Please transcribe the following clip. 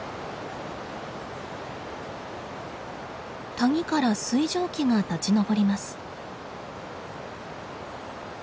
谷から水蒸気が立ち上ります。